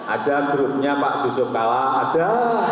ada grupnya pak jusuf kala ada